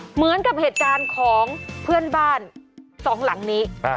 เหมือนกับเหตุการณ์ของเพื่อนบ้านสองหลังนี้